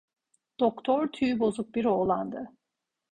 Doktor, tüyü bozuk bir oğlandı.